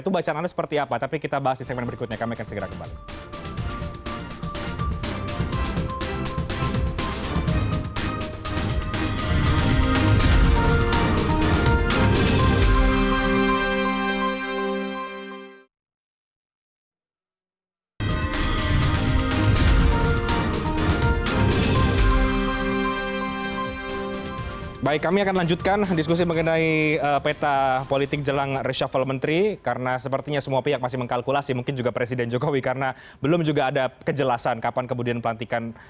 itu bacaan anda seperti apa tapi kita bahas di segmen berikutnya kami akan segera kembali